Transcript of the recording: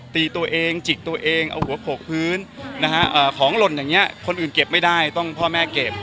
ตีตัวเองจิกตัวเองเอาหัวโขกพื้นนะฮะของหล่นอย่างนี้คนอื่นเก็บไม่ได้ต้องพ่อแม่เก็บ